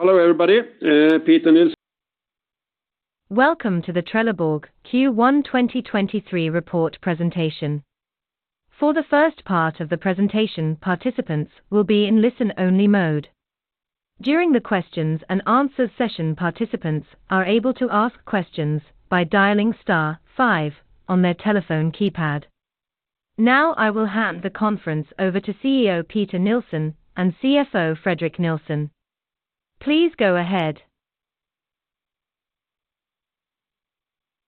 Hello, everybody. Peter Nilsson. Welcome to the Trelleborg Q1 2023 Report Presentation. For the first part of the presentation, participants will be in listen only mode. During the questions and answers session, participants are able to ask questions by dialing star five on their telephone keypad. I will hand the conference over to CEO Peter Nilsson and CFO Fredrik Nilsson. Please go ahead.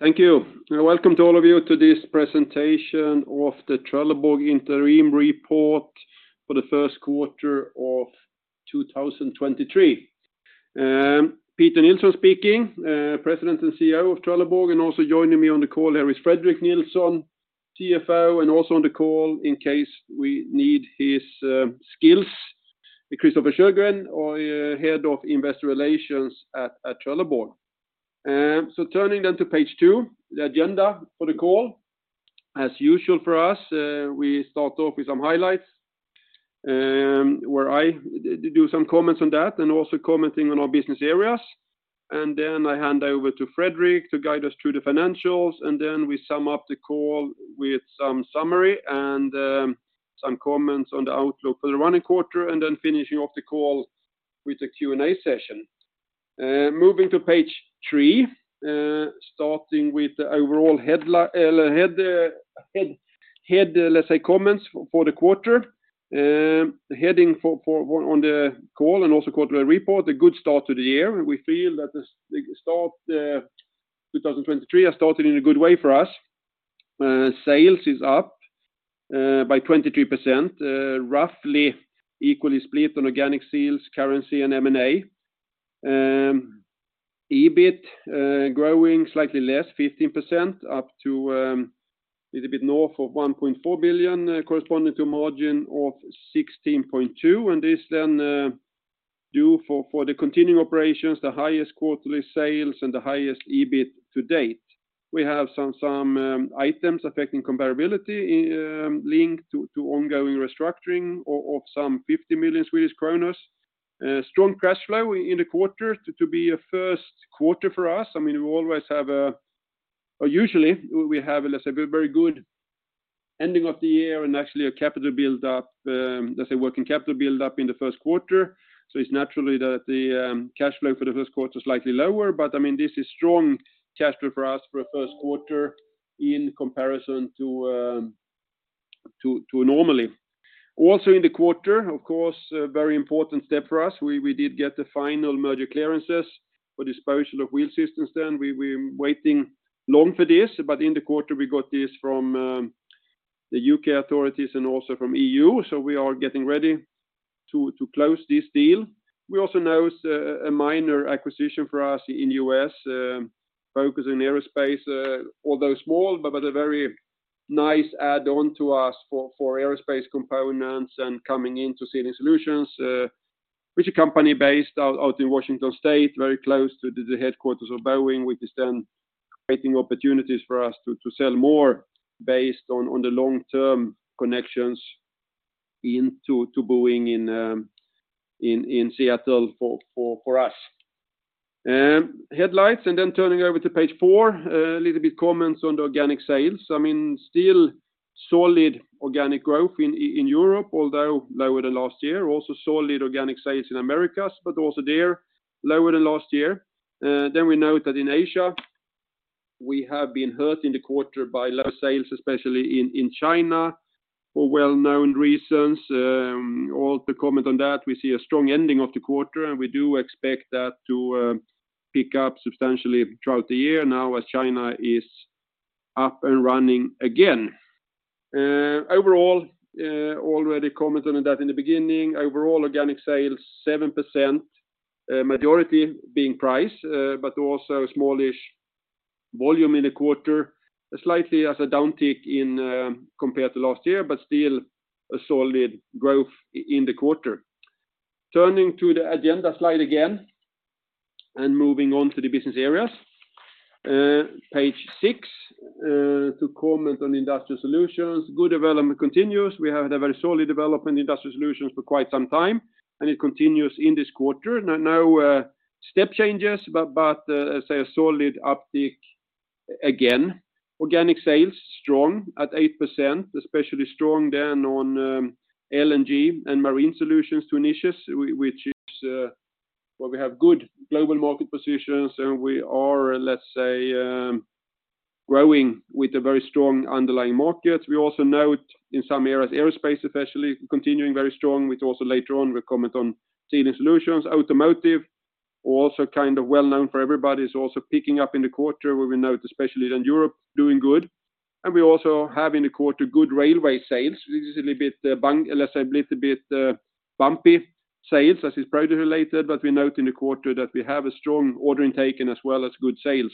Thank you. Welcome to all of you to this presentation of the Trelleborg Interim Report for the First Quarter of 2023. Peter Nilsson speaking, President and CEO of Trelleborg, and also joining me on the call here is Fredrik Nilsson, CFO, and also on the call in case we need his skills, Christofer Sjögren, our Head of Investor Relations at Trelleborg. Turning to page two, the agenda for the call. As usual for us, we start off with some highlights, where I do some comments on that and also commenting on our business areas. I hand over to Fredrik to guide us through the financials, and then we sum up the call with some summary and some comments on the outlook for the running quarter, and then finishing off the call with a Q&A session. Moving to page three, let's say, comments for the quarter. Heading on the call and also quarterly report, a good start to the year. We feel that the start, 2023 has started in a good way for us. Sales is up by 23%, roughly equally split on organic sales, currency and M&A. EBIT growing slightly less, 15%, up to a little bit north of 1.4 billion, corresponding to a margin of 16.2%, and this then due to the continuing operations, the highest quarterly sales and the highest EBIT to date. We have items affecting comparability linked to ongoing restructuring of some 50 million. Strong cash flow in the quarter to be a first quarter for us. I mean, we always have or usually we have, let's say, a very good ending of the year and actually a capital build-up, let's say, working capital build-up in the first quarter. It's naturally that the cash flow for the first quarter is slightly lower. I mean, this is strong cash flow for us for a first quarter in comparison to normally. In the quarter, of course, a very important step for us. We did get the final merger clearances for disposal of Wheel Systems then. We're waiting long for this, but in the quarter, we got this from the U.K. authorities and also from EU. We are getting ready to close this deal. We also announced a minor acquisition for us in U.S., focused in aerospace. Although small, but a very nice add-on to us for aerospace components and coming into Sealing Solutions, which is a company based out in Washington State, very close to the headquarters of Boeing, which is then creating opportunities for us to sell more based on the long-term connections into Boeing in Seattle for us. Headlines. Turning over to page four, a little bit comments on the organic sales. I mean, still solid organic growth in Europe, although lower than last year. Also solid organic sales in Americas, but also there lower than last year. We note that in Asia, we have been hurt in the quarter by lower sales, especially in China for well-known reasons. All to comment on that, we see a strong ending of the quarter, and we do expect that to pick up substantially throughout the year now as China is up and running again. Overall, already commented on that in the beginning, overall organic sales 7%, majority being price, but also a smallish volume in the quarter. Slightly as a downtick in compared to last year, but still a solid growth in the quarter. Turning to the agenda slide again and moving on to the business areas. Page six, to comment on Industrial Solutions. Good development continues. We have had a very solid development in Industrial Solutions for quite some time, and it continues in this quarter. No step changes, but say a solid uptick again. Organic sales strong at 8%, especially strong then on LNG and marine solutions to niches, which is where we have good global market positions and we are, let's say, growing with a very strong underlying market. We also note in some areas, aerospace especially, continuing very strong, which also later on we comment on Sealing Solutions. Automotive, also kind of well known for everybody, is also picking up in the quarter. We will note especially in Europe doing good. We also have in the quarter good railway sales. This is a little bit, let's say a little bit bumpy sales as is project related, but we note in the quarter that we have a strong order intake and as well as good sales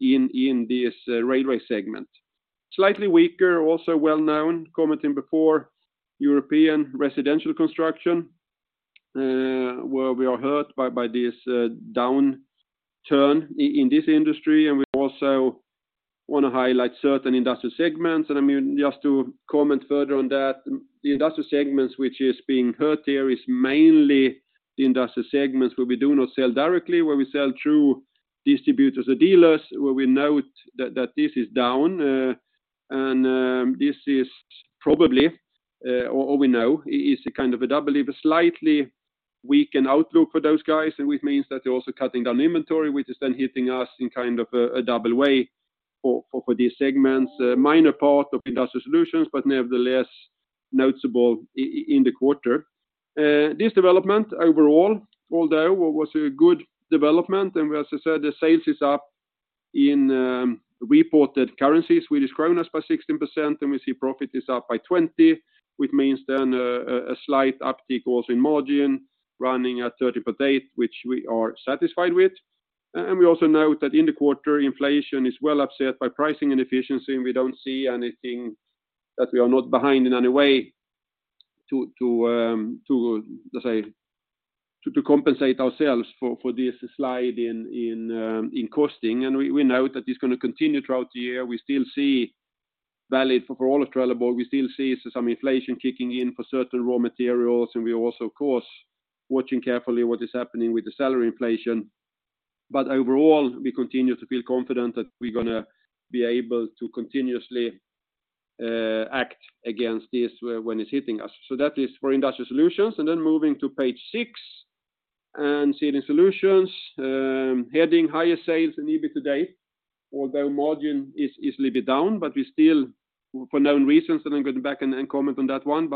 in this railway segment. Slightly weaker, also well known, commenting before, European residential construction, where we are hurt by this downturn in this industry. We also want to highlight certain industrial segments. I mean, just to comment further on that, the industrial segments which is being hurt here is mainly the industrial segments where we do not sell directly, where we sell through distributors or dealers, where we note that this is down. This is probably, or we know is a kind of a double, a slightly weakened outlook for those guys, and which means that they're also cutting down inventory, which is then hitting us in kind of a double way for these segments. A minor part of Industrial Solutions, but nevertheless noticeable in the quarter. This development overall, although was a good development, and as I said, the sales is up in reported currencies, SEK is by 16%, and we see profit is up by 20, which means a slight uptick also in margin running at 38, which we are satisfied with. We also note that in the quarter, inflation is well offset by pricing and efficiency, we don't see anything that we are not behind in any way to, let's say, to compensate ourselves for this slide in costing. We note that it's going to continue throughout the year. We still see valid for all of Trelleborg, we still see some inflation kicking in for certain raw materials, we're also of course watching carefully what is happening with the salary inflation. Overall, we continue to feel confident that we're gonna be able to continuously act against this when it's hitting us. That is for Industrial Solutions. Then moving to page six and Sealing Solutions, heading higher sales than EBIT today, although margin is a little bit down, but we still for known reasons, and I'm going back and then comment on that one.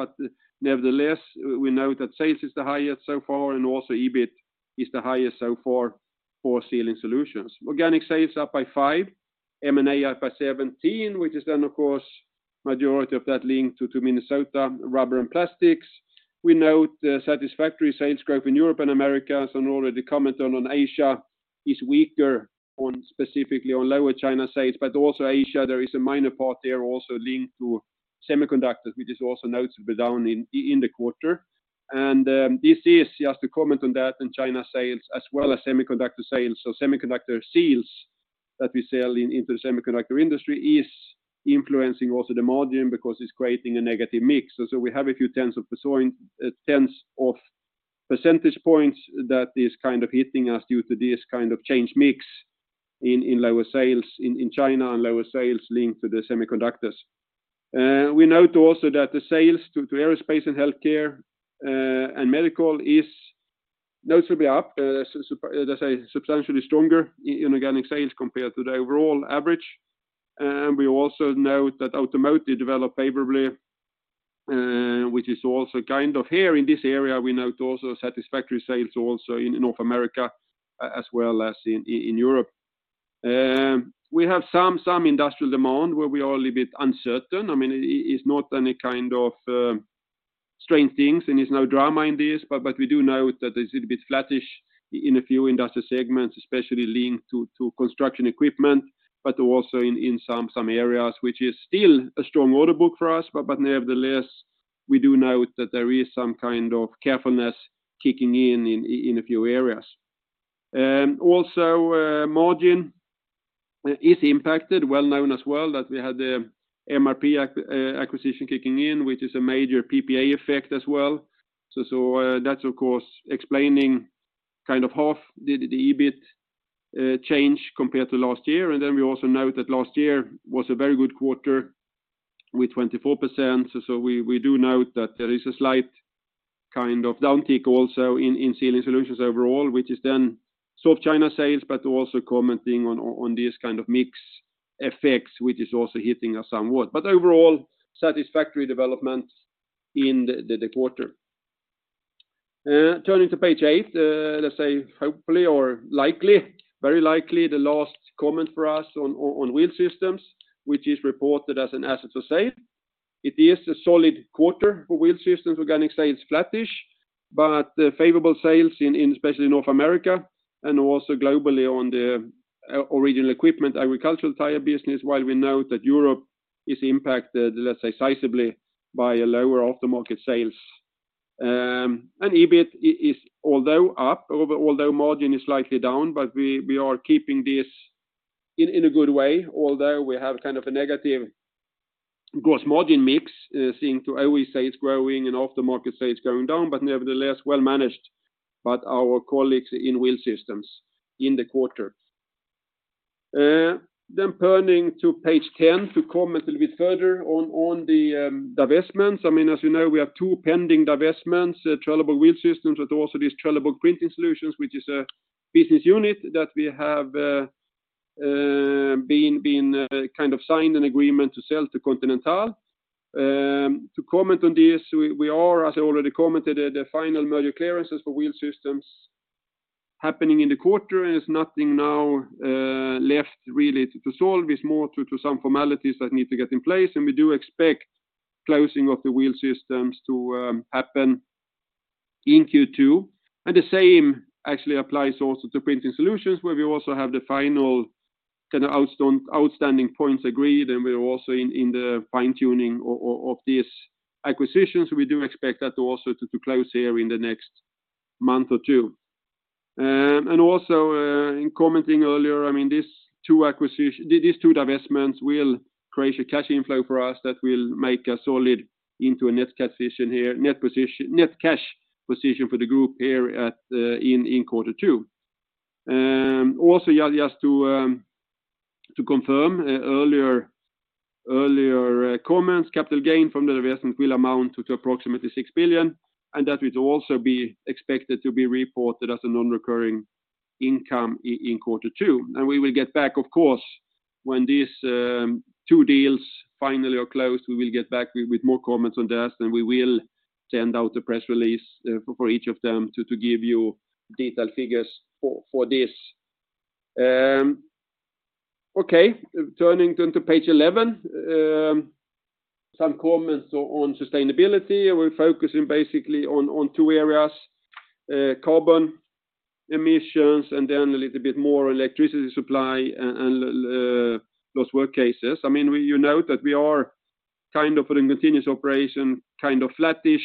Nevertheless, we note that sales is the highest so far, and also EBIT is the highest so far for Sealing Solutions. Organic sales up by 5%, M&A up by 17%, which is then of course majority of that linked to Minnesota Rubber & Plastics. We note satisfactory sales growth in Europe and Americas, and already commented on Asia is weaker on specifically on lower China sales. Also Asia, there is a minor part there also linked to semiconductors, which is also notably down in the quarter. This is just to comment on that in China sales as well as semiconductor sales. Semiconductor seals that we sell in into the semiconductor industry is influencing also the margin because it's creating a negative mix. We have a few tens of percentage points that is kind of hitting us due to this kind of change mix in lower sales in China and lower sales linked to the semiconductors. We note also that the sales to aerospace and healthcare, and medical is notably up, let's say substantially stronger in organic sales compared to the overall average. We also note that automotive developed favorably, which is also kind of here in this area. We note also satisfactory sales also in North America as well as in Europe. We have some industrial demand where we are a little bit uncertain. I mean, it's not any kind of strange things, and there's no drama in this, but we do note that it's a little bit flattish in a few industrial segments, especially linked to construction equipment, but also in some areas, which is still a strong order book for us. Nevertheless, we do note that there is some kind of carefulness kicking in a few areas. Also, margin is impacted, well known as well, that we had the MRP acquisition kicking in, which is a major PPA effect as well. That's of course explaining kind of half the EBIT change compared to last year. We also note that last year was a very good quarter with 24%. We do note that there is a slight kind of downtick also in Sealing Solutions overall, which is then soft China sales, but also commenting on these kind of mix effects, which is also hitting us somewhat, but overall satisfactory development in the quarter. Turning to page eight, let's say hopefully or likely, very likely the last comment for us on Wheel Systems, which is reported as an asset for sale. It is a solid quarter for Wheel Systems. Organic sales flattish, but favorable sales in especially North America and also globally on the original equipment, agricultural tire business, while we know that Europe is impacted, let's say, sizably by a lower aftermarket sales. EBIT is although up, although margin is slightly down, but we are keeping this in a good way, although we have kind of a negative gross margin mix, seeing to OE sales growing and aftermarket sales going down, but nevertheless well managed by our colleagues in Wheel Systems in the quarter. Turning to page 10 to comment a little bit further on the divestments. I mean, as you know, we have two pending divestments, Trelleborg Wheel Systems, but also this Trelleborg Printing Solutions, which is a business unit that we have been kind of signed an agreement to sell to Continental. To comment on this, we are, as I already commented, the final merger clearances for Wheel Systems happening in the quarter, and there's nothing now left really to solve. It's more to some formalities that need to get in place. We do expect closing of the Wheel Systems to happen in Q2. The same actually applies also to Printing Solutions, where we also have the final kind of outstanding points agreed, and we are also in the fine-tuning of this acquisition. We do expect that to also to close here in the next month or two. Also, in commenting earlier, I mean, these two acquisition. These two divestments will create a cash inflow for us that will make a solid into a net cash position here for the group here at in quarter two. Also, just to confirm earlier comments, capital gain from the divestment will amount to approximately 6 billion, and that will also be expected to be reported as a non-recurring income in Q2. We will get back, of course, when these two deals finally are closed, we will get back with more comments on that, and we will send out the press release for each of them to give you detailed figures for this. Okay. Turning to page 11, some comments on sustainability. We're focusing basically on two areas, carbon emissions and then a little bit more electricity supply and lost work cases. You note that we are kind of in a continuous operation, kind of flattish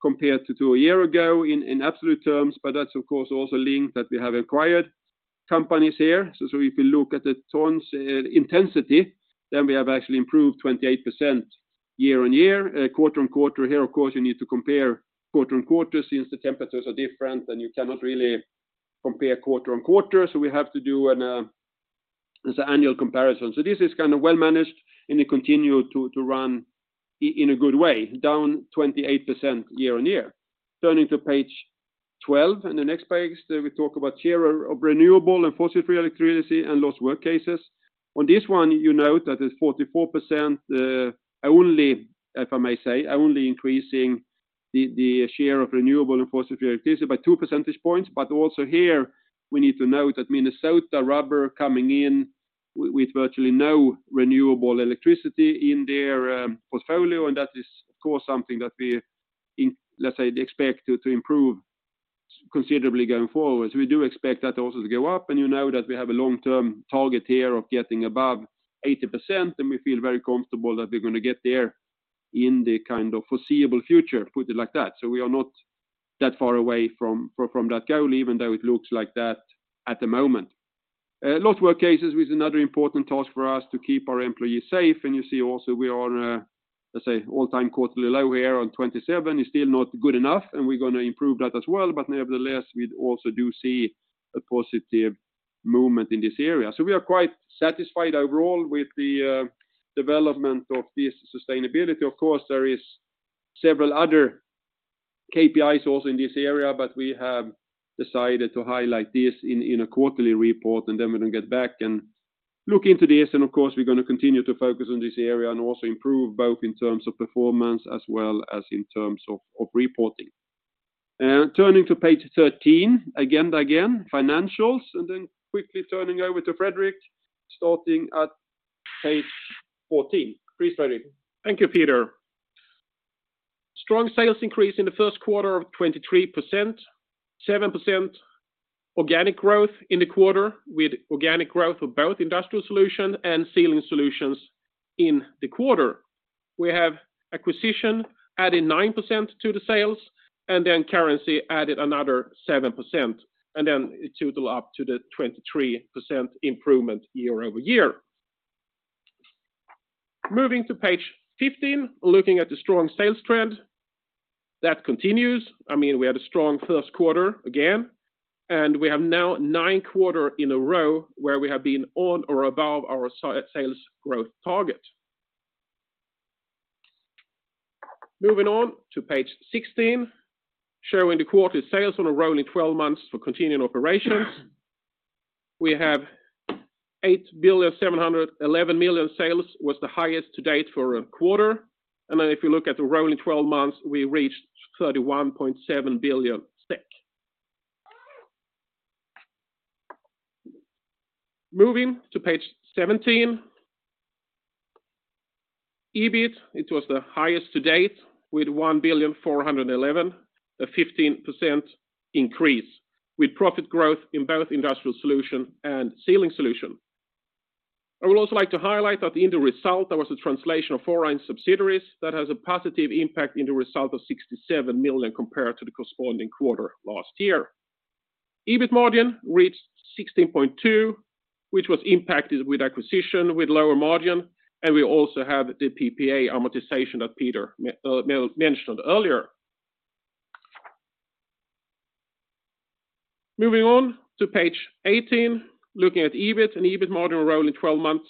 compared to a year ago in absolute terms, but that's of course also linked that we have acquired companies here. If you look at the tons intensity, then we have actually improved 28% year-on-year, quarter-on-quarter. Here, of course, you need to compare quarter-on-quarter since the temperatures are different, and you cannot really compare quarter-on-quarter, so we have to do an as an annual comparison. This is kind of well managed, and it continue to run in a good way, down 28% year-on-year. Turning to page 12, and the next page, we talk about share of renewable and fossil-free electricity and lost work cases. On this one, you note that it's 44%, only, if I may say, only increasing the share of renewable and fossil-free electricity by 2 percentage points. Also here, we need to note that Minnesota Rubber coming in with virtually no renewable electricity in their portfolio, and that is of course something that we expect to improve considerably going forward. We do expect that also to go up, and you know that we have a long-term target here of getting above 80%, and we feel very comfortable that we're gonna get there in the kind of foreseeable future, put it like that. We are not that far away from that goal, even though it looks like that at the moment. Lost work cases is another important task for us to keep our employees safe. You see also we are, let's say, all-time quarterly low here on 27. It's still not good enough. We're gonna improve that as well. Nevertheless, we also do see a positive movement in this area. We are quite satisfied overall with the development of this sustainability. Of course, there is several other KPIs also in this area, but we have decided to highlight this in a quarterly report. We're gonna get back and look into this. Of course, we're gonna continue to focus on this area and also improve both in terms of performance as well as in terms of reporting. Turning to page 13, again, financials. Quickly turning over to Fredrik, starting at page 14. Please, Fredrik. Thank you, Peter. Strong sales increase in the first quarter of 23%, 7% organic growth in the quarter with organic growth of both Industrial Solutions and Sealing Solutions in the quarter. We have acquisition adding 9% to the sales, currency added another 7%, and it totaled up to the 23% improvement year-over-year. Moving to page 15, looking at the strong sales trend. That continues. I mean, we had a strong first quarter again, we have now nine quarter in a row where we have been on or above our sales growth target. Moving on to page 16, showing the quarterly sales on a rolling 12 months for continuing operations. We have 8.711 billion sales, was the highest to date for a quarter. If you look at the rolling 12 months, we reached 31.7 billion SEK. Moving to page 17. EBIT, it was the highest to date with 1,411 million, a 15% increase with profit growth in both Industrial Solutions and Sealing Solutions. I would also like to highlight that in the result, there was a translation of foreign subsidiaries that has a positive impact in the result of 67 million compared to the corresponding quarter last year. EBIT margin reached 16.2%, which was impacted with acquisition with lower margin, and we also have the PPA amortization that Peter mentioned earlier. Moving on to page 18, looking at EBIT and EBIT margin rolling 12 months.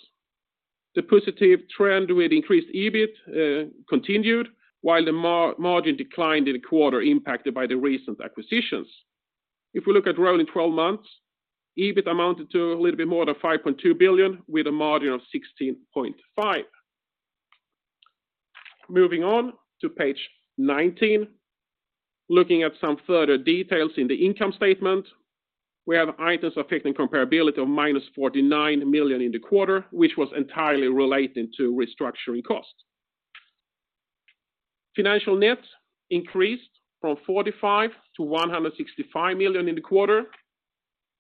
The positive trend with increased EBIT continued, while the margin declined in the quarter impacted by the recent acquisitions. If we look at rolling 12 months, EBIT amounted to a little bit more than 5.2 billion with a margin of 16.5%. Moving on to page 19, looking at some further details in the income statement. We have items affecting comparability of minus 49 million in the quarter, which was entirely related to restructuring costs. Financial net increased from 45 million to 165 million in the quarter.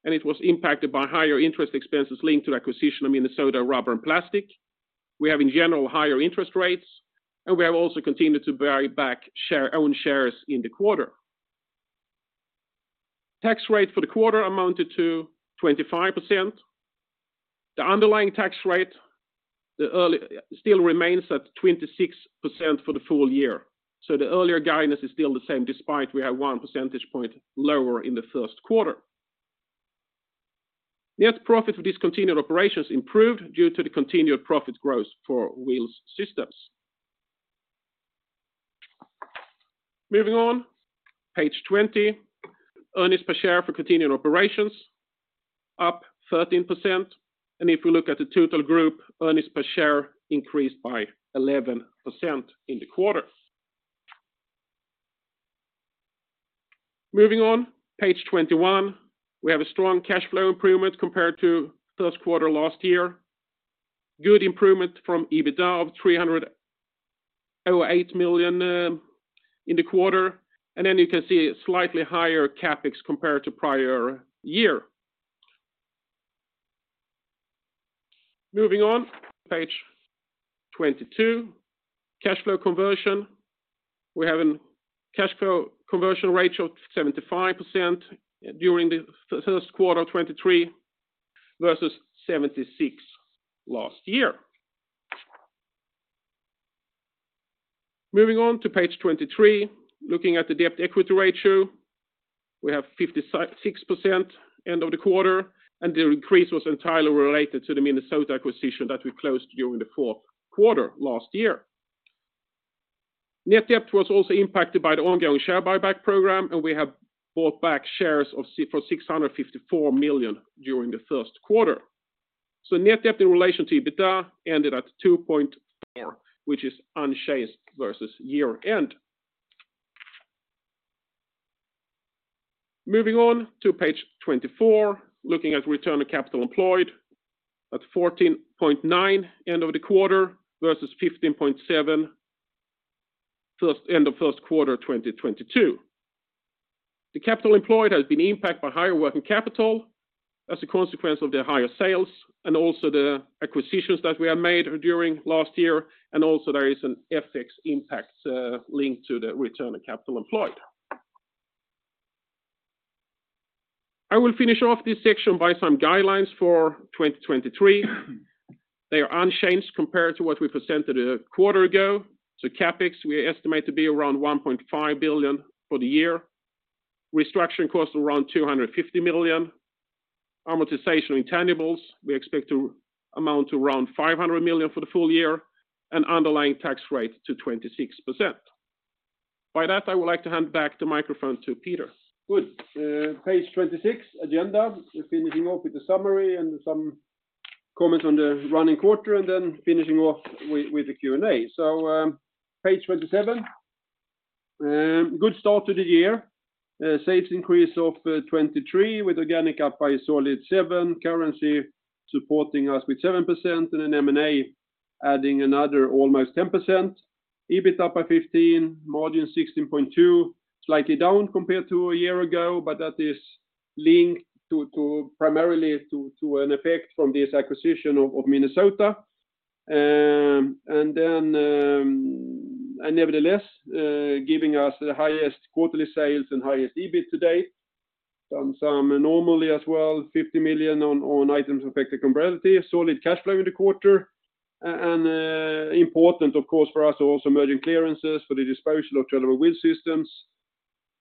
It was impacted by higher interest expenses linked to acquisition of Minnesota Rubber & Plastics. We have in general higher interest rates. We have also continued to buy back own shares in the quarter. Tax rate for the quarter amounted to 25%. The underlying tax rate still remains at 26% for the full year. The earlier guidance is still the same, despite we have 1 percentage point lower in the first quarter. Net profit for discontinued operations improved due to the continued profit growth for Wheel Systems. Moving on, page 20. Earnings per share for continued operations up 13%. If you look at the total group, earnings per share increased by 11% in the quarter. Moving on, page 21. We have a strong cash flow improvement compared to first quarter last year. Good improvement from EBITDA of 308 million in the quarter, and then you can see slightly higher CapEx compared to prior year. Moving on, page 22. Cash flow conversion. We have an cash flow conversion ratio of 75% during the first quarter of 2023 versus 76 last year. Moving on to page 23. Looking at the debt/equity ratio, we have 56% end of the quarter. The increase was entirely related to the Minnesota acquisition that we closed during the fourth quarter last year. Net debt was also impacted by the ongoing share buyback program. We have bought back shares for 654 million during the first quarter. Net debt in relation to EBITDA ended at 2.4, which is unchanged versus year-end. Moving on to page 24. Looking at return on capital employed at 14.9% end of the quarter versus 15.7% end of first quarter 2022. The capital employed has been impacted by higher working capital as a consequence of the higher sales and also the acquisitions that we have made during last year. Also there is an FX impact linked to the return on capital employed. I will finish off this section by some guidelines for 2023. They are unchanged compared to what we presented a quarter ago. CapEx, we estimate to be around 1.5 billion for the year. Restructuring costs around 250 million. Amortization intangibles, we expect to amount to around 500 million for the full year, and underlying tax rate to 26%. By that, I would like to hand back the microphone to Peter. Good. Page 26, agenda. We're finishing off with the summary and some comments on the running quarter and then finishing off with the Q&A. Page 27. Good start to the year. Sales increase of 23% with organic up by a solid 7%, currency supporting us with 7%, and then M&A adding another almost 10%. EBIT up by 15%, margin 16.2%, slightly down compared to a year ago, but that is linked primarily to an effect from this acquisition of Minnesota. Nevertheless, giving us the highest quarterly sales and highest EBIT to date. Some anomaly as well, 50 million on items affecting comparability. Solid cash flow in the quarter. Important of course for us also merger clearances for the disposal of Trelleborg Wheel Systems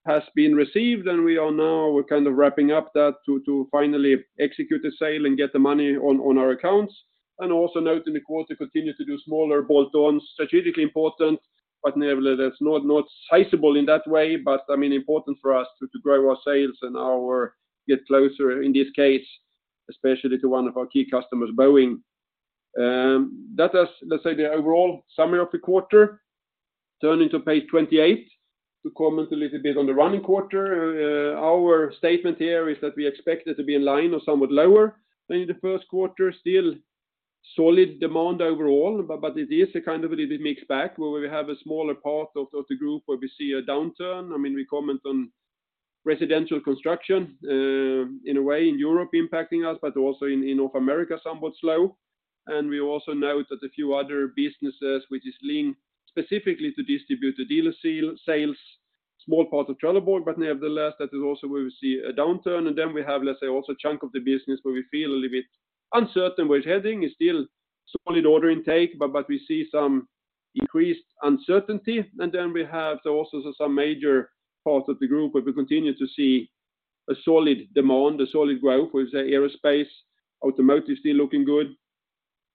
has been received, and we are now kind of wrapping up that to finally execute the sale and get the money on our accounts. Also note in the quarter continue to do smaller bolt-ons, strategically important, but nevertheless not sizable in that way, but I mean, important for us to grow our sales and our get closer in this case, especially to one of our key customers, Boeing. That is, let's say the overall summary of the quarter. Turning to page 28 to comment a little bit on the running quarter. Our statement here is that we expect it to be in line or somewhat lower than in the first quarter. Still solid demand overall, but it is a kind of a little bit mixed bag where we have a smaller part of the group where we see a downturn. I mean, we comment on residential construction in a way in Europe impacting us, but also in North America, somewhat slow. We also note that a few other businesses which is linked specifically to distributor dealer sales, small part of Trelleborg, but nevertheless, that is also where we see a downturn. Then we have, let's say, also a chunk of the business where we feel a little bit uncertain where it's heading. It's still solid order intake, but we see some increased uncertainty. We have also some major parts of the group where we continue to see a solid demand, a solid growth with aerospace, automotive still looking good,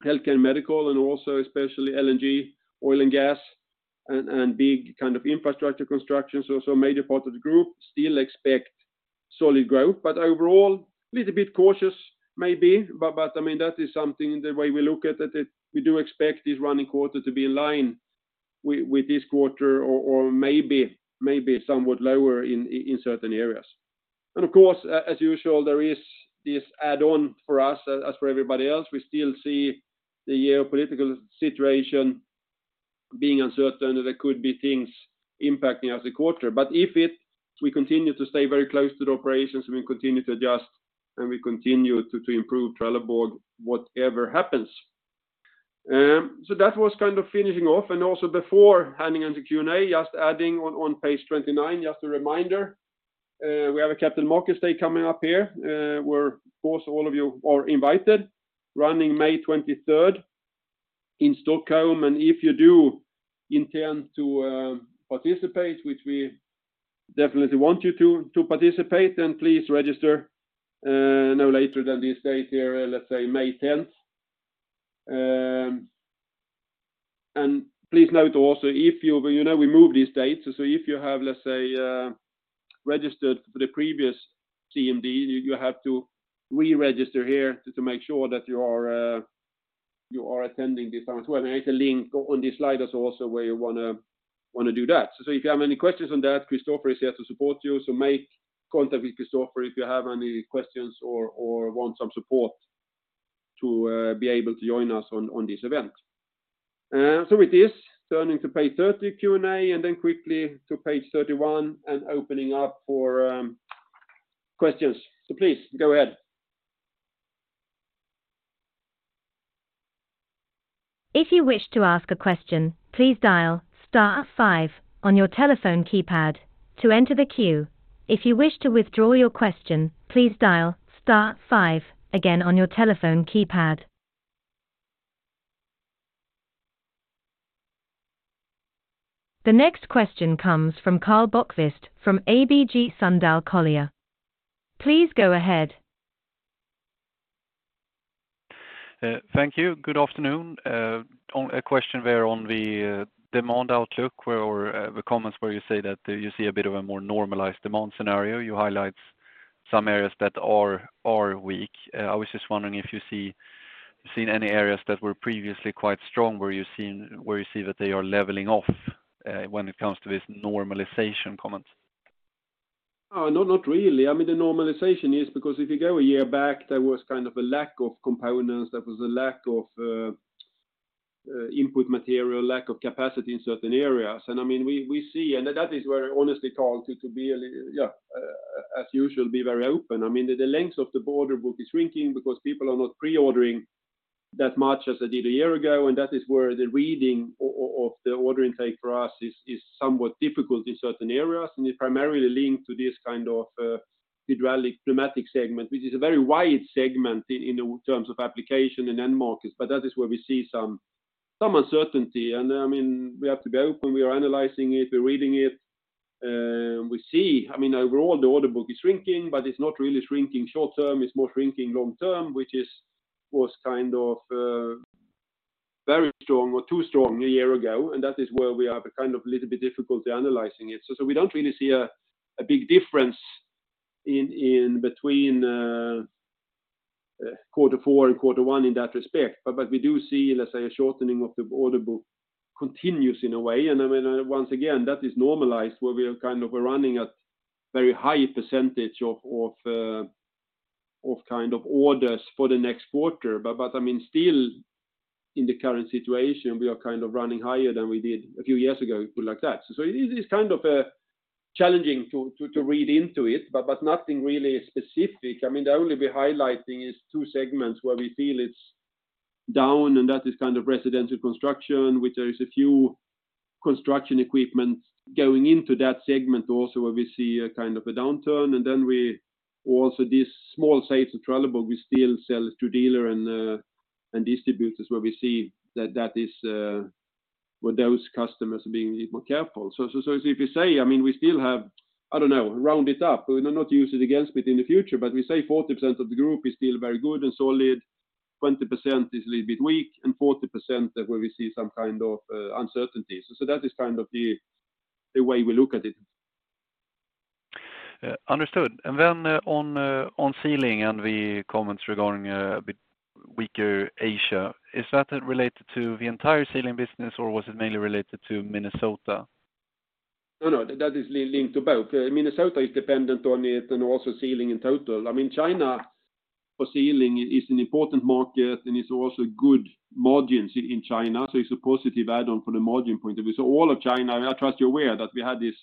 healthcare and medical, and also especially LNG, oil and gas, and big kind of infrastructure construction. A major part of the group still expect solid growth. Overall, little bit cautious maybe, but I mean, that is something the way we look at it, that we do expect this running quarter to be in line with this quarter or maybe somewhat lower in certain areas. Of course, as usual, there is this add-on for us, as for everybody else. We still see the geopolitical situation. Being uncertain that there could be things impacting us a quarter, we continue to stay very close to the operations, we continue to adjust, and we continue to improve Trelleborg, whatever happens. That was kind of finishing off and also before handing on to Q&A, just adding on page 29, just a reminder, we have a Capital Markets Day coming up here, where of course, all of you are invited, running May 23rd in Stockholm. If you do intend to participate, which we definitely want you to participate, please register no later than this date here, let's say May 10th. Please note also if you know we move these dates, so if you have, let's say, registered for the previous CMD, you have to re-register here to make sure that you are attending this one as well. There is a link on this slide as also where you wanna do that. If you have any questions on that, Christopher is here to support you. Make contact with Christopher if you have any questions or want some support to be able to join us on this event. With this, turning to page 30, Q&A, then quickly to page 31 and opening up for questions. Please go ahead. If you wish to ask a question, please dial star five on your telephone keypad to enter the queue. If you wish to withdraw your question, please dial star five again on your telephone keypad. The next question comes from Karl Bokvist from ABG Sundal Collier. Please go ahead. Thank you. Good afternoon. On a question where on the demand outlook or the comments where you say that you see a bit of a more normalized demand scenario, you highlight some areas that are weak. I was just wondering if you've seen any areas that were previously quite strong, where you see that they are leveling off, when it comes to this normalization comment? Oh, no, not really. I mean, the normalization is because if you go a year back, there was kind of a lack of components, there was a lack of input material, lack of capacity in certain areas. I mean, we see, and that is where honestly, Karl, to be a little, yeah, as usual, be very open. I mean, the length of the order book is shrinking because people are not pre-ordering that much as they did a year ago. That is where the reading of the order intake for us is somewhat difficult in certain areas, and it primarily linked to this kind of hydraulic pneumatic segment, which is a very wide segment in terms of application and end markets. That is where we see some uncertainty. I mean, we have to be open. We are analyzing it, we're reading it. We see, I mean, overall the order book is shrinking, but it's not really shrinking short term. It's more shrinking long term, which was kind of very strong or too strong a year ago, and that is where we have a kind of little bit difficulty analyzing it. We don't really see a big difference in between quarter four and quarter one in that respect. We do see, let's say a shortening of the order book continues in a way. I mean, once again, that is normalized where we are kind of running at very high percentage of kind of orders for the next quarter. I mean, still in the current situation, we are kind of running higher than we did a few years ago, put it like that. It is kind of challenging to read into it, but nothing really specific. I mean, the only we're highlighting is two segments where we feel it's down, and that is kind of residential construction, which there is a few construction equipment going into that segment also where we see a kind of a downturn. We also this small sales of Trelleborg, we still sell to dealer and distributors where we see that that is where those customers are being a bit more careful. If you say, I mean, we still have, I don't know, round it up. We not use it against it in the future, but we say 40% of the group is still very good and solid, 20% is a little bit weak, and 40% that where we see some kind of uncertainty. That is kind of the way we look at it. Understood. On Sealing and the comments regarding a bit weaker Asia, is that related to the entire Sealing business, or was it mainly related to Minnesota? No, no, that is linked to both. Minnesota is dependent on it and also sealing in total. I mean, China for sealing is an important market, and it's also good margins in China. It's a positive add-on from the margin point of view. All of China, I trust you're aware that we had this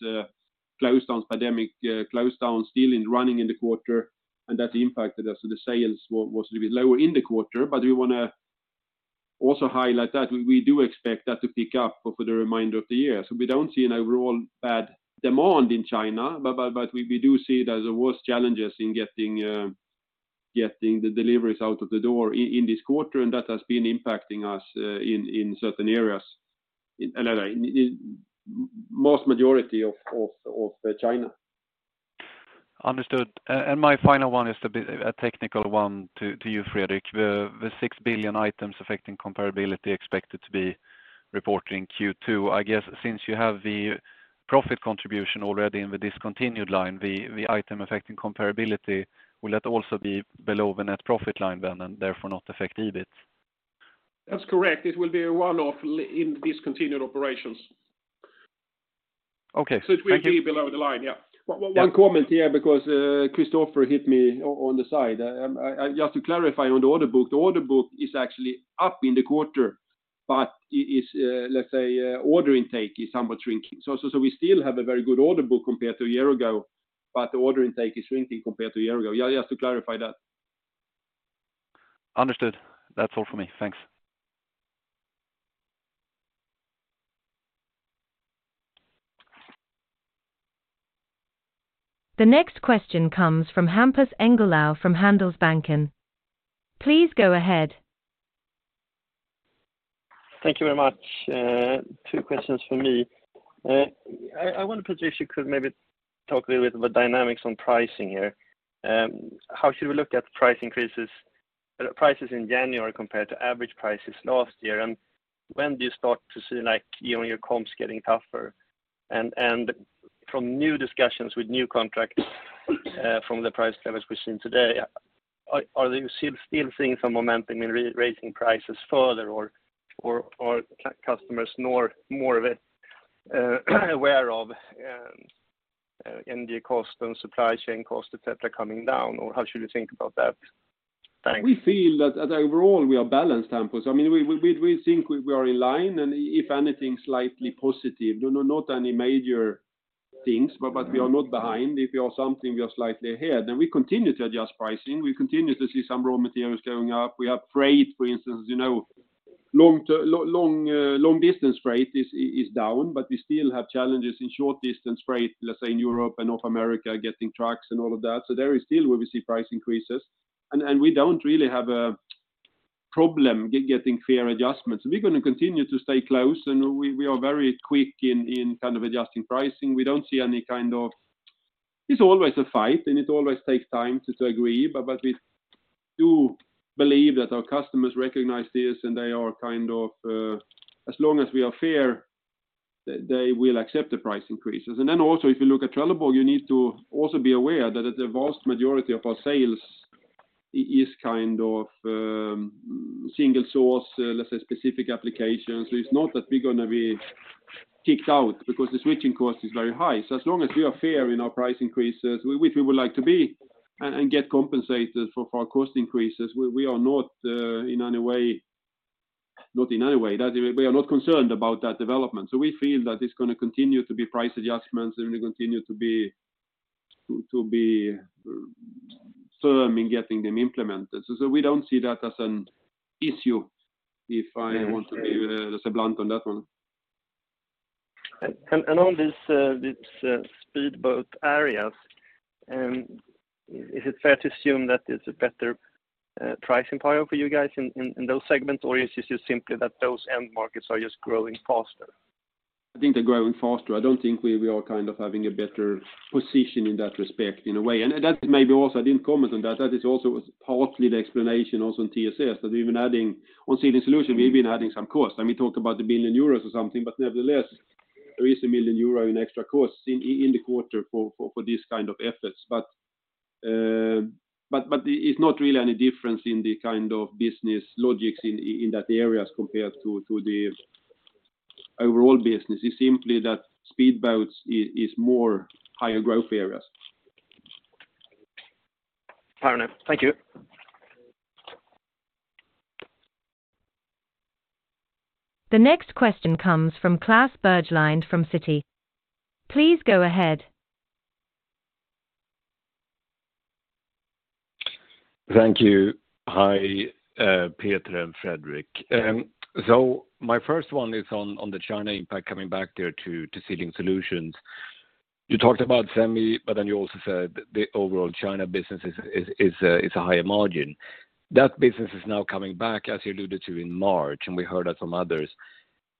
close down pandemic still in running in the quarter, and that impacted us. The sales was a little bit lower in the quarter, but we wanna also highlight that we do expect that to pick up for the remainder of the year. We don't see an overall bad demand in China, but we do see it as a worse challenges in getting the deliveries out of the door in this quarter. That has been impacting us in certain areas. In most majority of China. Understood. My final one is a bit a technical one to you, Fredrik. The 6 billion items affecting comparability expected to be reported in Q2, I guess since you have the profit contribution already in the discontinued line, the item affecting comparability, will that also be below the net profit line then, and therefore not affect EBIT? That's correct. It will be a one-off in discontinued operations. Okay. Thank you. It will be below the line. One comment here, because Christofer hit me on the side. Just to clarify on the order book. The order book is actually up in the quarter, but is, let's say, order intake is somewhat shrinking. We still have a very good order book compared to a year ago, but the order intake is shrinking compared to a year ago. Just to clarify that. Understood. That's all for me. Thanks. The next question comes from Hampus Engellau from Handelsbanken. Please go ahead. Thank you very much. Two questions for me. I wonder if you could maybe talk a little bit about dynamics on pricing here. How should we look at price increases, prices in January compared to average prices last year? When do you start to see, like, you know, your comps getting tougher? From new discussions with new contracts, from the price levels we've seen today, are you still seeing some momentum in re-raising prices further or customers more aware of India cost and supply chain cost, et cetera, coming down? How should you think about that? Thanks. We feel that overall we are balanced, Hampus. I mean, we think we are in line and if anything, slightly positive. No, not any major things, but we are not behind. If we are something, we are slightly ahead. We continue to adjust pricing. We continue to see some raw materials going up. We have freight, for instance, you know, long distance freight is down, but we still have challenges in short distance freight, let's say in Europe and North America, getting trucks and all of that. There is still where we see price increases, and we don't really have a problem getting fair adjustments. We're gonna continue to stay close, and we are very quick in kind of adjusting pricing. We don't see any kind of... It's always a fight, it always takes time to agree, but we do believe that our customers recognize this, and they are kind of, as long as we are fair, they will accept the price increases. Also, if you look at Trelleborg, you need to also be aware that the vast majority of our sales is kind of, single source, let's say specific applications. It's not that we're gonna be kicked out because the switching cost is very high. As long as we are fair in our price increases, which we would like to be, and get compensated for our cost increases, we are not in any way. Not in any way. That we are not concerned about that development. We feel that it's gonna continue to be price adjustments, and we continue to be firm in getting them implemented. We don't see that as an issue, if I want to give a blunt on that one. On this speedboat areas, is it fair to assume that it's a better, pricing power for you guys in those segments? Or is it just simply that those end markets are just growing faster? I think they're growing faster. I don't think we are kind of having a better position in that respect, in a way. That may be also, I didn't comment on that is also partly the explanation also in TSS, that we've been adding. On Sealing Solutions, we've been adding some costs. I mean, talk about 1 billion euros or something, but nevertheless, there is 1 million euro in extra costs in the quarter for these kind of efforts. It's not really any difference in the kind of business logics in that areas compared to the overall business. It's simply that speedboats is more higher growth areas. Fair enough. Thank you. The next question comes from Klas Bergelind from Citi. Please go ahead. Thank you. Hi, Peter and Fredrik. My first one is on the China impact coming back there to Sealing Solutions. You talked about semi, but then you also said the overall China business is a higher margin. That business is now coming back, as you alluded to in March, and we heard that from others.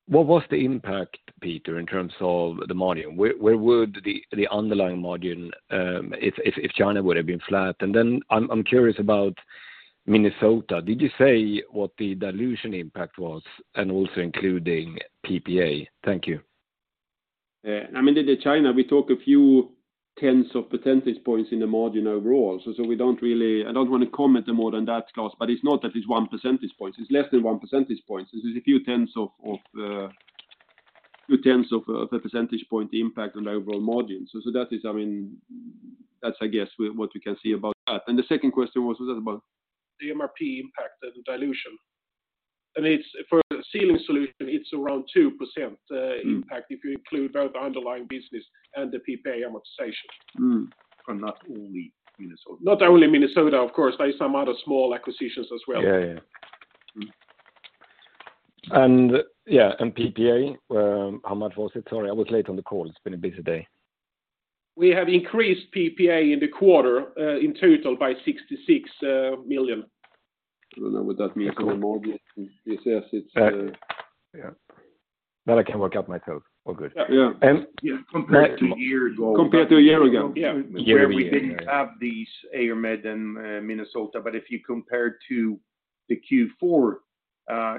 What was the impact, Peter, in terms of the margin? Where would the underlying margin if China would have been flat? I'm curious about Minnesota. Did you say what the dilution impact was and also including PPA? Thank you. Yeah. I mean, the China, we talk a few tens of percentage points in the margin overall. I don't want to comment more than that, Klas, it's not that it's 1 percentage point. It's less than 1 percentage point. This is a few tens of a percentage point impact on the overall margin. That is, I mean, that's I guess what you can see about that. The second question was that about? The MRP impact and dilution. It's, for Sealing Solutions, it's around 2% impact if you include both the underlying business and the PPA amortization. Mm-hmm. Not only Minnesota, of course. There is some other small acquisitions as well. Yeah, yeah. Yeah, and PPA, how much was it? Sorry, I was late on the call. It's been a busy day. We have increased PPA in the quarter, in total by 66 million. I don't know what that means for the margin. TSS, it's. That I can work out myself. All good. Yeah. And- Compared to a year ago. Year ago. Where we didn't have these MRP and Minnesota. If you compare to the Q4,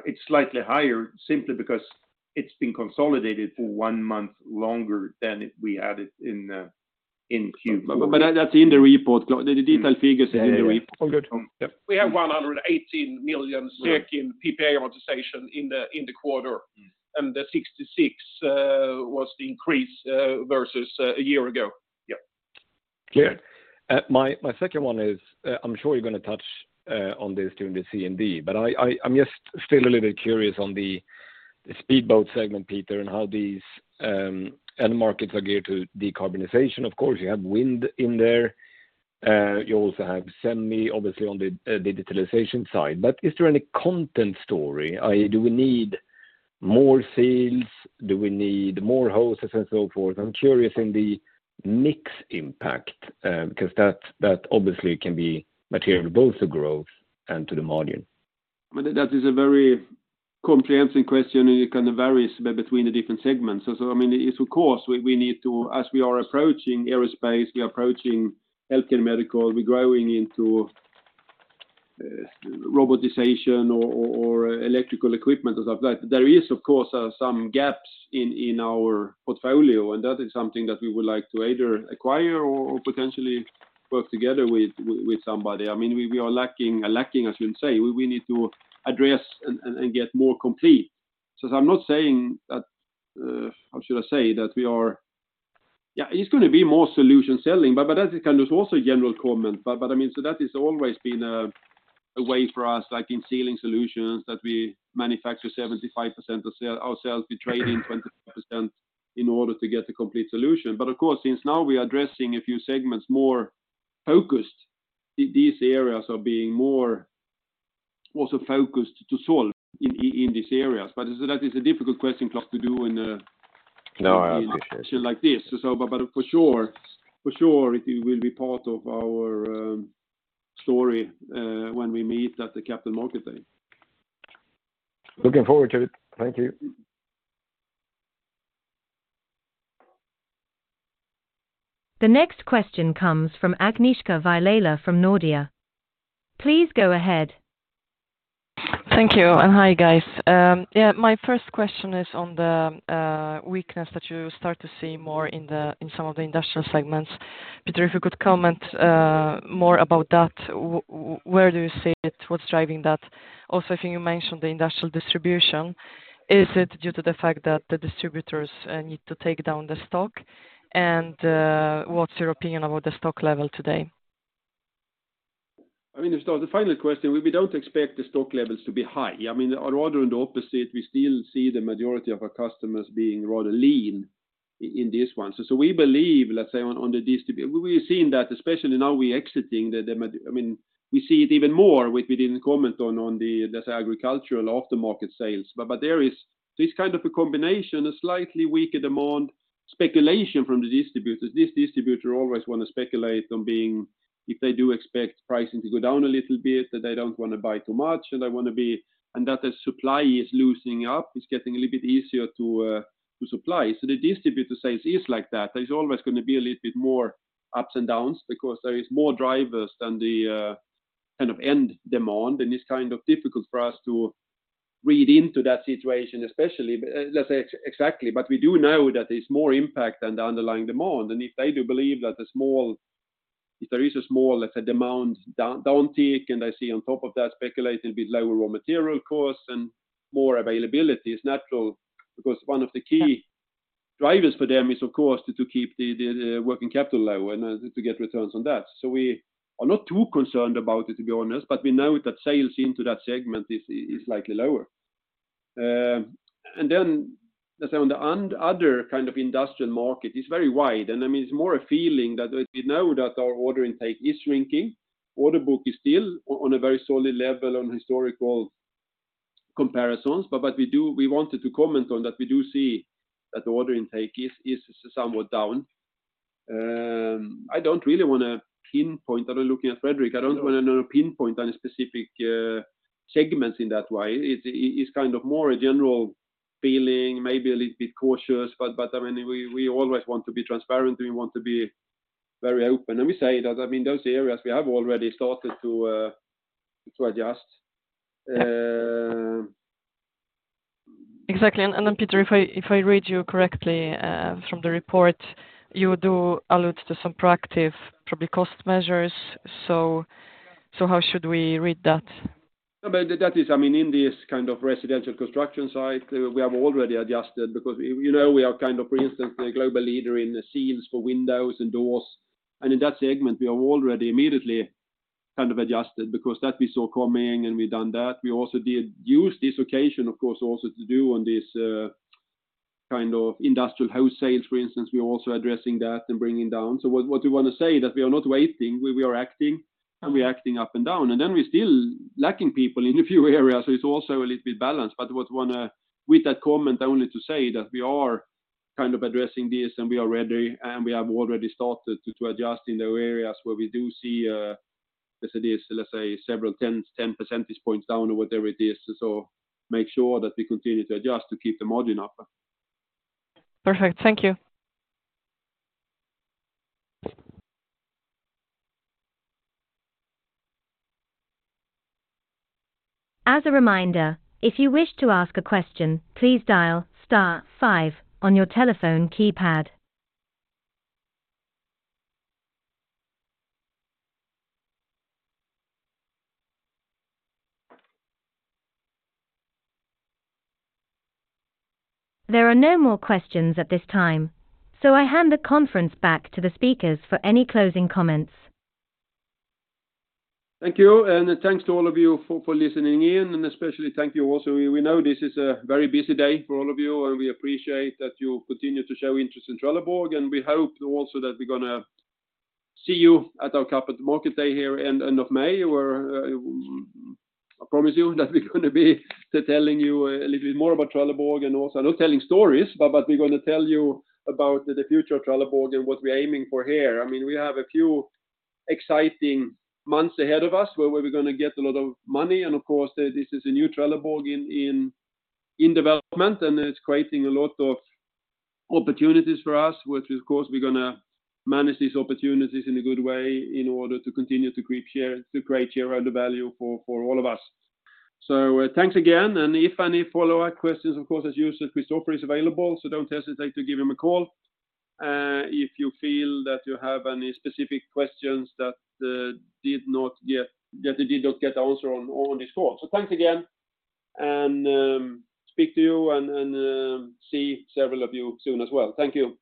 it's slightly higher simply because it's been consolidated for 1 month longer than we had it in. That's in the report, Klas. The detailed figures are in the report. All good. Yep. We have 118 million in PPA amortization in the quarter, and the 66 was the increase versus a year ago. Yep. Clear. My second one is, I'm sure you're gonna touch on this during the CMD. I'm just still a little bit curious on the speedboat segment, Peter, and how these end markets are geared to decarbonization. Of course, you have wind in there. You also have semi, obviously, on the digitalization side. Is there any content story? Do we need more seals? Do we need more hoses and so forth? I'm curious in the mix impact, because that obviously can be material to both the growth and to the margin. That is a very comprehensive question, and it kind of varies between the different segments. I mean, it's of course, we need to... As we are approaching aerospace, we are approaching healthcare and medical, we're growing into robotization or electrical equipment and stuff like that. There is, of course, some gaps in our portfolio, and that is something that we would like to either acquire or potentially work together with somebody. I mean, we are lacking, I shouldn't say. We need to address and get more complete. I'm not saying that... How should I say? That we are... it's gonna be more solution selling, but that is kind of also a general comment. I mean, that has always been a way for us, like in Sealing Solutions, that we manufacture 75% ourselves, we trade-in 25% in order to get the complete solution. Of course, since now we are addressing a few segments more focused, these areas are being more also focused to solve in these areas. That is a difficult question, Klas. No, I appreciate.... in a session like this. But for sure, it will be part of our story, when we meet at the Capital Markets Day. Looking forward to it. Thank you. The next question comes from Agnieszka Vilela from Nordea. Please go ahead. Thank you, and hi, guys. Yeah, my first question is on the weakness that you start to see more in the, in some of the industrial segments. Peter, if you could comment more about that, where do you see it? What's driving that? I think you mentioned the industrial distribution. Is it due to the fact that the distributors need to take down the stock? What's your opinion about the stock level today? I mean, to start the final question, we don't expect the stock levels to be high. I mean, or rather on the opposite, we still see the majority of our customers being rather lean in this one. So we believe, let's say. We've seen that especially now we're exiting the I mean, we see it even more with we didn't comment on the, let's say, agricultural aftermarket sales. There is this kind of a combination, a slightly weaker demand, speculation from the distributors. These distributor always wanna speculate on being, if they do expect pricing to go down a little bit, that they don't wanna buy too much. That the supply is loosening up. It's getting a little bit easier to supply. The distributor side is like that. There's always gonna be a little bit more ups and downs because there is more drivers than the kind of end demand, and it's kind of difficult for us to read into that situation, especially, let's say, exactly. We do know that there's more impact than the underlying demand. If they do believe that if there is a small, let's say, demand downtick, and they see on top of that speculating with lower raw material costs and more availability, it's natural because one of the key drivers for them is, of course, to keep the working capital low and then to get returns on that. We are not too concerned about it, to be honest, but we know that sales into that segment is likely lower. Let's say on the other kind of industrial market, it's very wide. I mean, it's more a feeling that we know that our order intake is shrinking. Order book is still on a very solid level on historical comparisons. We wanted to comment on that we do see that the order intake is somewhat down. I don't really wanna pinpoint. I'm looking at Fredrik. I don't wanna pinpoint any specific segments in that way. It's kind of more a general feeling, maybe a little bit cautious, but I mean, we always want to be transparent, and we want to be very open. We say that, I mean, those areas we have already started to adjust. Exactly. Peter, if I read you correctly, from the report, you do allude to some proactive, probably cost measures. How should we read that? That is, I mean, in this kind of residential construction site, we have already adjusted because, you know, we are kind of, for instance, the global leader in the seals for windows and doors. In that segment, we have already immediately kind of adjusted because that we saw coming, and we've done that. We also did use this occasion, of course, also to do on this kind of industrial house sales, for instance. We're also addressing that and bringing down. What we wanna say that we are not waiting. We are acting, and we are acting up and down. Then we're still lacking people in a few areas, so it's also a little bit balanced. What I wanna. With that comment, I wanted to say that we are kind of addressing this, we are ready, we have already started to adjust in the areas where we do see, let's say this, let's say several 10 percentage points down or whatever it is. Make sure that we continue to adjust to keep the margin up. Perfect. Thank you. As a reminder, if you wish to ask a question, please dial star five on your telephone keypad. There are no more questions at this time. I hand the conference back to the speakers for any closing comments. Thank you. Thanks to all of you for listening in, and especially thank you also. We know this is a very busy day for all of you, and we appreciate that you continue to show interest in Trelleborg, and we hope also that we're gonna see you at our Capital Markets Day here end of May, where I promise you that we're gonna be telling you a little bit more about Trelleborg and also. No telling stories, but we're gonna tell you about the future of Trelleborg and what we're aiming for here. I mean, we have a few exciting months ahead of us, where we're gonna get a lot of money. Of course, this is a new Trelleborg in development, and it's creating a lot of opportunities for us, which of course, we're gonna manage these opportunities in a good way in order to continue to create share, to create shareholder value for all of us. Thanks again. If any follow-up questions, of course, as usual, Christofer is available, so don't hesitate to give him a call if you feel that you have any specific questions that you did not get answered on this call. Thanks again. Speak to you and see several of you soon as well. Thank you.